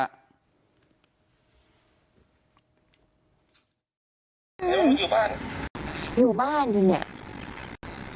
อยู่บ้านอยู่บ้านอยู่เนี่ย